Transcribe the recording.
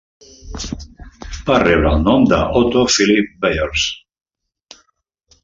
Va rebre el nom d'Otto Phillip Byers.